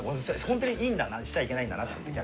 ホントにいいんだなしたらいけないんだな逆に。